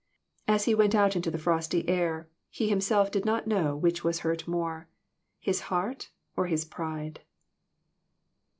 As he went out into the frosty air, he himself did not know which was hurt more his heart or his pride.